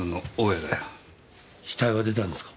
死体は出たんですか？